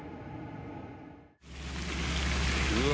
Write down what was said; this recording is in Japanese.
うわ。